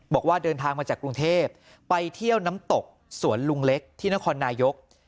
บอกว่าเดินทางมาจากกรุงเทพไปเที่ยวน้ำตกสวนลุงเล็กที่นครนายก